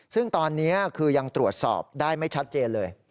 ซึ่งตอนนี้คือยังตรวจสอบได้ไม่ชัดเจนเลย